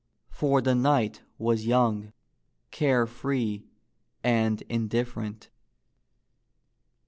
For the knight was young, care free and indifferent.